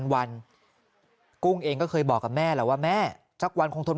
วันกุ้งเองก็เคยบอกกับแม่แล้วว่าแม่สักวันคงทน